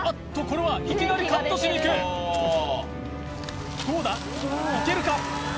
これはいきなりカットしにいくどうだいけるか？